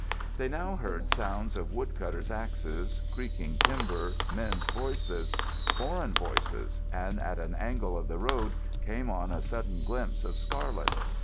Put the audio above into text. They now heard sounds of wood cutters' axes, creaking timber, men's voices—foreign voices, and at an angle of the road came on a sudden glimpse of scarlet.